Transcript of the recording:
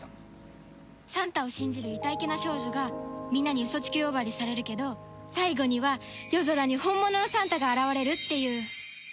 サンタを信じるいたいけな少女がみんなにウソつき呼ばわりされるけど最後には夜空に本物のサンタが現れるっていう。